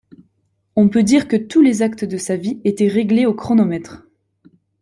On peut dire que tous les actes de sa vie étaient réglés au chronomètre.